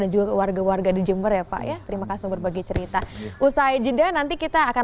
dan juga warga warga di jember ya pak ya terima kasih berbagi cerita usai jendela nanti kita akan